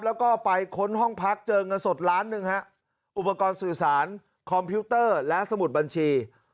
แล้วก็ไปค้นห้องพักเจอเงินสดล้านหนึ่งฮะอุปกรณ์สื่อสารคอมพิวเตอร์และสมุดบัญชี